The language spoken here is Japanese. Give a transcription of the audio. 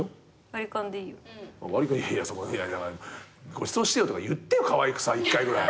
「ごちそうしてよ」とか言ってよかわいくさ一回ぐらい。